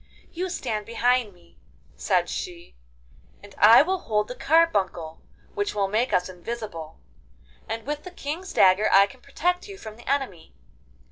'You stand behind me,' said she, 'and I will hold the carbuncle which will make us invisible, and with the King's dagger I can protect you from the enemy.